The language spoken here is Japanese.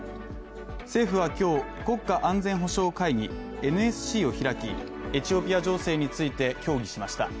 政府は今日、国家安全保障会議＝ＮＳＣを開きエチオピア情勢について協議しました。